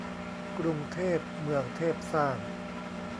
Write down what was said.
กรุงเทพเมืองเทพสร้าง